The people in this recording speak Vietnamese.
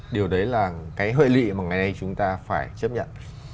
điều đấy là cái hệ lị mà ngày nay chúng ta phải chấp nhận